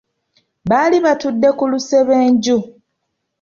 Baali batudde ku lusebenju.